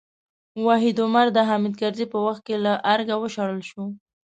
وحید عمر د حامد کرزي په وخت کې له ارګه وشړل شو.